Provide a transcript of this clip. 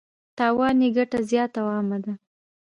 تاوان یې ګټه زیاته او عامه ده.